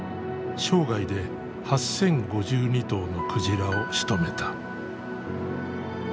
生涯で８，０５２頭の鯨をしとめた。